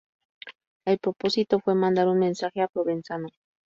El propósito fue mandar un mensaje a Provenzano.